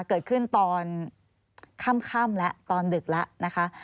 เกิดขึ้นตอนค่ำแล้วตอนดึกแล้วนะคะ